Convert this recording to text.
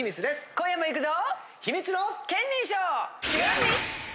今夜もいくぞ！